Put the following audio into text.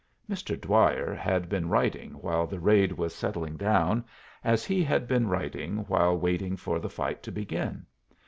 Mr. Dwyer had been writing while the raid was settling down, as he had been writing while waiting for the fight to begin.